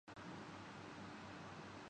Stage one cancer کی تشخیص ہوئی ہے۔